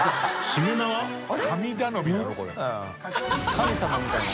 神様みたいな。